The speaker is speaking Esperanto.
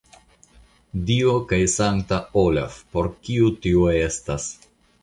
Dio kaj sankta Olaf, por kiu tio estas?